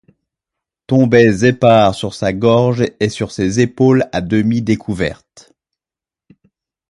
Tombaient épars sur sa gorge et sur ses épaules à demi découvertes.